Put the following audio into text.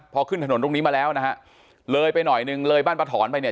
พอขึ้นถนนตรงนี้มาแล้วนะฮะเลยไปหน่อยนึงเลยบ้านป้าถอนไปเนี่ย